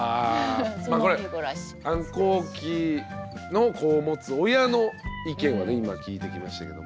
これ反抗期の子を持つ親の意見はね今聞いてきましたけれども。